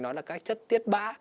nó là các chất tiết bã